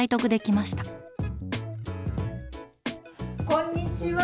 こんにちは。